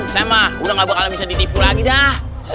sama udah nggak bakalan bisa ditipu lagi dah